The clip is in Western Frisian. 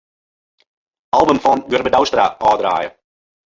Album fan Gurbe Douwstra ôfdraaie.